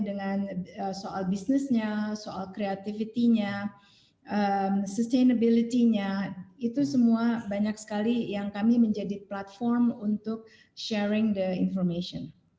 dengan soal bisnisnya soal kreatifitasnya kesehatan itu semua banyak sekali yang kami menjadi platform untuk berbagi informasi